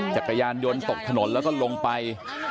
จักรยานยนต์ตกถนนแล้วก็ลงไป